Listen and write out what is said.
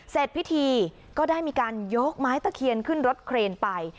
เสร็จพิธีก็ได้มีการยกไม้ตะเคียนขึ้นรถเครนไป